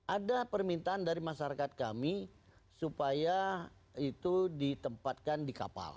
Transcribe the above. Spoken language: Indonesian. ada permintaan dari masyarakat kami supaya itu ditempatkan di kapal